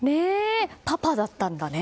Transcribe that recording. パパだったんだね？